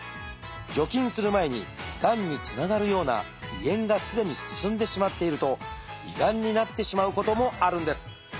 除菌する前にがんにつながるような胃炎がすでに進んでしまっていると胃がんになってしまうこともあるんです。